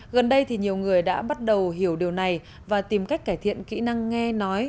gần đây thì nhiều người đã bắt đầu hiểu điều này và tìm cách cải thiện kỹ năng nghe nói